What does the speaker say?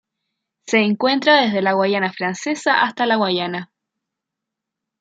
Se encuentra desde la Guayana Francesa hasta la Guayana.